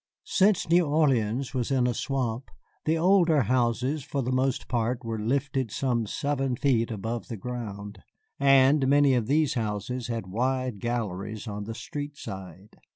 Since New Orleans was in a swamp, the older houses for the most part were lifted some seven feet above the ground, and many of these houses had wide galleries on the street side.